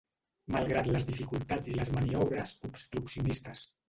Malgrat les dificultats i les maniobres obstruccionistes.